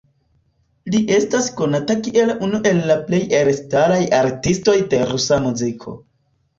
Li estas konata kiel unu el la plej elstaraj artistoj de rusa muziko.